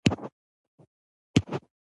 درېیم دا چې په بدترین وضعیت کې ملاتړ وشي.